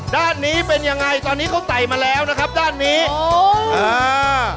ด้านนี้เป็นยังไงตอนนี้เขาใส่มาแล้วนะครับด้านนี้โอ้อ่า